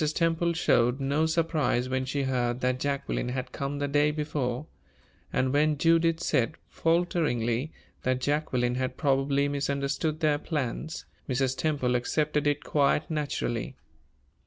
Temple showed no surprise when she heard that Jacqueline had come the day before; and when Judith said, falteringly, that Jacqueline had probably misunderstood their plans, Mrs. Temple accepted it quite naturally.